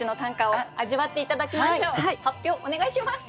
発表お願いします。